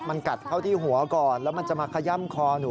มันกัดเข้าที่หัวก่อนแล้วมันจะมาขย่ำคอหนู